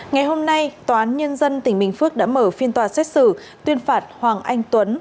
ngày hôm nay tòa án nhân dân tỉnh bình phước đã mở phiên tòa xét xử tuyên phạt hoàng anh tuấn